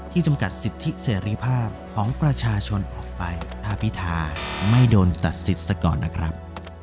จำกัดสิทธิเสรีภาพของประชาชนออกไปถ้าพิธาไม่โดนตัดสิทธิ์ซะก่อนนะครับ